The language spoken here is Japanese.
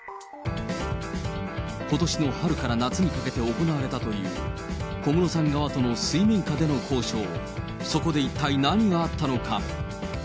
ことしの春から夏にかけて行われたという、小室さん側との水面下での交渉、そこで一体何があったのか。